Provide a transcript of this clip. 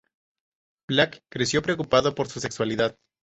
Black creció preocupado por su sexualidad.